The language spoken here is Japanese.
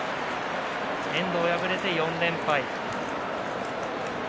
遠藤、敗れて４連敗。